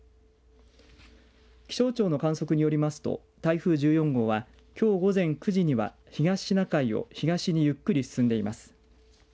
気象庁の観測によりますと台風１４号はきょう午前９時には東シナ海を東にゆっくり進んでいます。